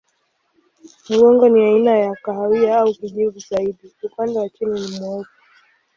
Mgongo ni aina ya kahawia au kijivu zaidi, upande wa chini ni mweupe.